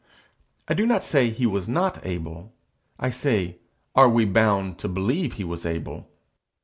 I do not say he was not able; I say Are we bound to believe he was able?